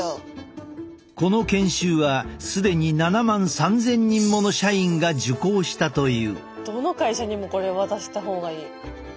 この研修は既に７万３，０００人もの社員が受講したという。